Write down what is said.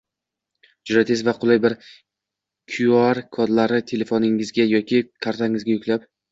juda tez va qulay, biroq Kyuar kodlarni telefoningizga yoki kartangizga yuklab